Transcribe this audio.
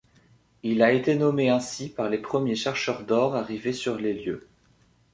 Il a été nommé ainsi par les premiers chercheurs d'or arrivés sur les lieux.